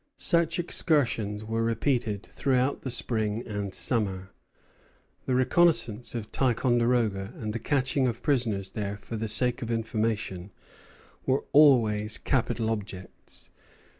Such excursions were repeated throughout the spring and summer. The reconnoissance of Ticonderoga and the catching of prisoners there for the sake of information were always capital objects.